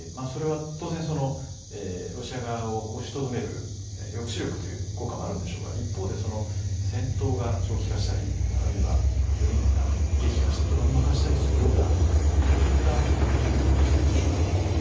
それは当然ロシア側を押しとどめる抑止力という効果もあるんでしょうが一方で戦闘が長期化したりあるいは、より激化して泥沼化したりするような懸念はないでしょうか。